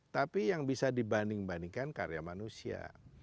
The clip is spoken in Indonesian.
tapi yang bisa dibanding bandingkan karya manusia